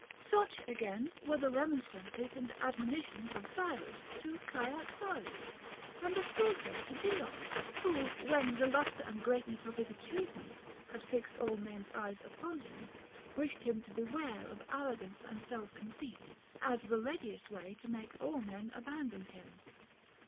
Such, again, were the remonstrances and admonitions of Cyrus to Cyaxares, and of Plato to Dion, who, when the lustre and greatness of his achievements had fixed all men's eyes upon him, wished him to beware of arrogance and self conceit, as the readiest way to make all men abandon him.